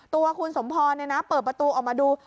ตัวคุณสมพรเปิดประตูออกมาดู